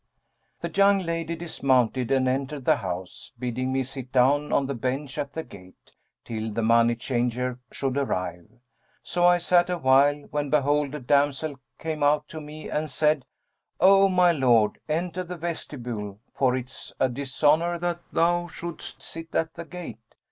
The young lady dismounted and entered the house, bidding me sit down on the bench at the gate, till the money changer should arrive. So I sat awhile, when behold, a damsel came out to me and said, 'O my lord, enter the vestibule; for it is a dishonour that thou shouldst sit at the gate.'